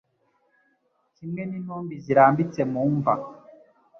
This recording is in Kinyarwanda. kimwe n’intumbi zirambitse mu mva